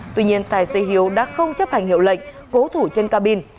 tuy nhiên tài xế hiếu đã không chấp hành hiệu lệnh cố thủ trên cabin